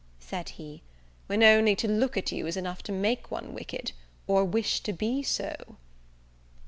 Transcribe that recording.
said he, "when only to look at you is enough to make one wicked or wish to be so?"